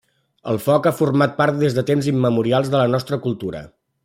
El foc ha format part des de temps immemorials de la nostra cultura.